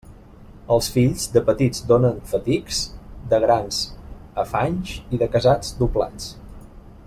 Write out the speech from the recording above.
Els fills, de petits donen fatics; de grans, afanys, i de casats, doblats.